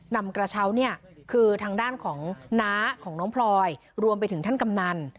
นำกระเช้าเนี่ยคือทางด้านของน้าของน้องพลอยรวมไปถึงท่านกำนัน